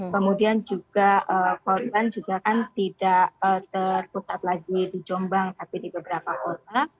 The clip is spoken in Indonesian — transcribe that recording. kemudian juga korban juga kan tidak terpusat lagi di jombang tapi di beberapa kota